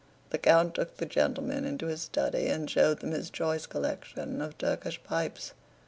The count took the gentlemen into his study and showed them his choice collection of Turkish pipes.